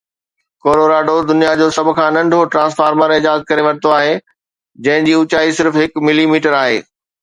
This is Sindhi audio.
ڪولوراڊو دنيا جو سڀ کان ننڍو ٽرانسفارمر ايجاد ڪري ورتو آهي جنهن جي اوچائي صرف هڪ ملي ميٽر آهي